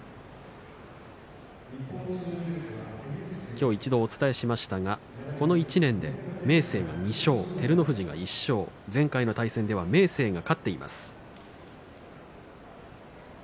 今日、一度、お伝えしましたがこの１年で明生が２勝、照ノ富士が１勝前回の対戦では明生が勝っています。